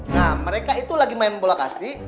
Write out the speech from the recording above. nah mereka itu lagi main bola kasting